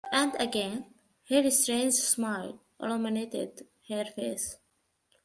And again her strange smile illuminated her face.